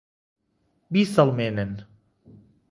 بیسەلمێنن!